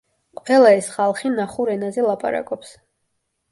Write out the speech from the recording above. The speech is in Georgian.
ყველა ეს ხალხი ნახურ ენაზე ლაპარაკობს.